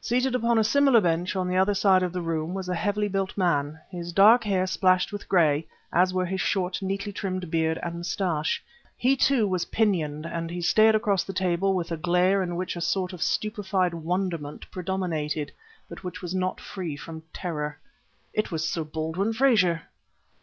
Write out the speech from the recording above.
Seated upon a similar bench on the other side of the room, was a heavily built man, his dark hair splashed with gray, as were his short, neatly trimmed beard and mustache. He, too, was pinioned; and he stared across the table with a glare in which a sort of stupefied wonderment predominated, but which was not free from terror. It was Sir Baldwin Frazer!